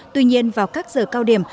tuy nhiên vào các giờ cao điểm